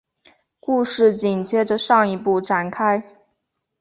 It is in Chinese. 故事紧接着上一部展开。